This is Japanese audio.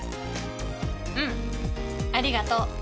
うんありがとう。